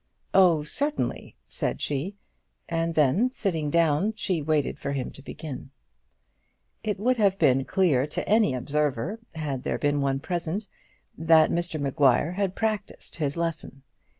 "Oh, certainly," said she; and then sitting down she waited for him to begin. It would have been clear to any observer, had there been one present, that Mr Maguire had practised his lesson.